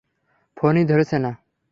ফোনই ধরছে না।